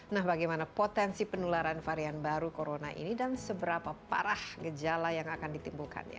nah bagaimana potensi penularan varian baru corona ini dan seberapa parah gejala yang akan ditimbulkan ya